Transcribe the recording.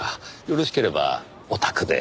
よろしければお宅で。